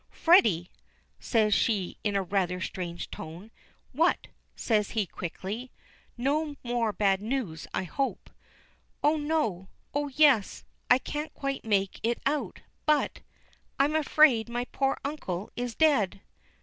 "Freddy!" says she in a rather strange tone. "What?" says he quickly. "No more bad news I hope." "Oh, no! Oh, yes! I can't quite make it out but I'm afraid my poor uncle is dead."